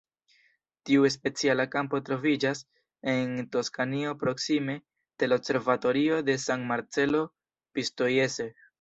Tiu speciala kampo troviĝas en Toskanio proksime de la Observatorio de San Marcello Pistoiese.